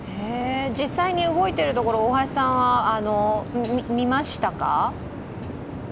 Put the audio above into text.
実際に動いているところを大橋さんは見ましたか？